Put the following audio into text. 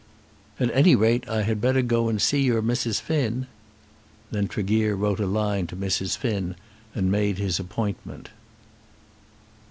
"At any rate, I had better go and see your Mrs. Finn." Then Tregear wrote a line to Mrs. Finn, and made his appointment.